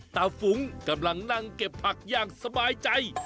ฟุ้งกำลังนั่งเก็บผักอย่างสบายใจ